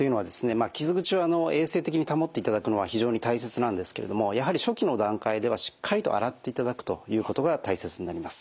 まあ傷口を衛生的に保っていただくのは非常に大切なんですけれどもやはり初期の段階ではしっかりと洗っていただくということが大切になります。